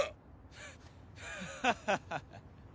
ハハハハッ！